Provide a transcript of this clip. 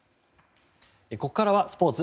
ここからはスポーツ。